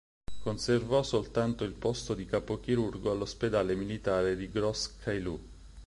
Conservò soltanto il posto di capo chirurgo all'ospedale militare di Gros-Caillou.